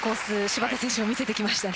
芝田選手が見せてきました。